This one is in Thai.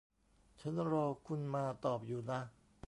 ฉันรอคุณมาตอบอยู่นะ